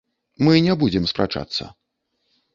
Мы не будзем спрачацца.